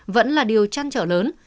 vẫn là điều chăn trở lớn